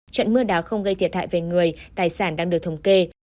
trận mưa đá không gây thiệt hại về người tài sản đang được thống kê